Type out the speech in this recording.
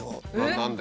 何で？